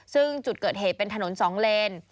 ซึ่งจุดเกิดเหตุเป็นถนน๒เลน